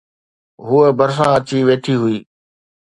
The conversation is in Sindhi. هوءَ ڀرسان اچي ويٺي هئي